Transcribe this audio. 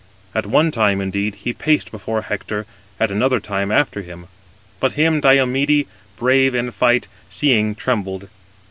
At one time, indeed, he paced before Hector, at another after him. But him Diomede, brave in fight, seeing, trembled.